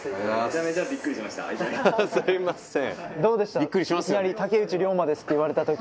すいません。